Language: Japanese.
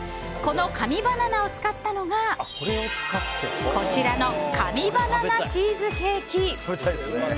この神バナナを使ったのがこちらの神バナナチーズケーキ。